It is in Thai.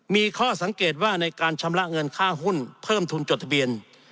มีข้อสังเกตว่าในการชำระเงินค่าหุ้นเพิ่มทุนจดทะเบียน